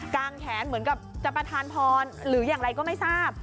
งแขนเหมือนกับจะประทานพรหรืออย่างไรก็ไม่ทราบ